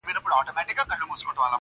د پښتو غزل ساقي دی.